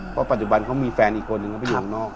เพราะปัจจุบันเขามีแฟนอีกคนนึงเขาไปอยู่เมืองนอก